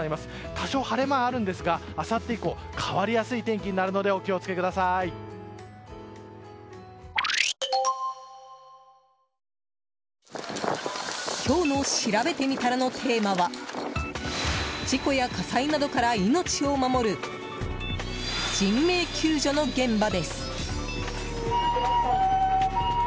多少、晴れ間はあるんですがあさって以降変わりやすい天気になるので今日のしらべてみたらのテーマは事故や火災などから命を守る人命救助の現場です。